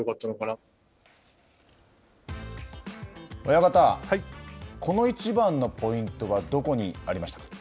親方、この一番のポイントは、どこにありましたか？